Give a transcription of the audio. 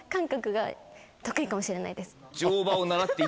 かもしれないです。